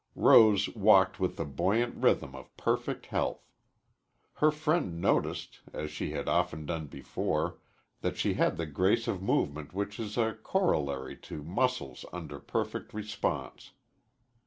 Rose walked with the buoyant rhythm of perfect health. Her friend noticed, as he had often done before, that she had the grace of movement which is a corollary to muscles under perfect response.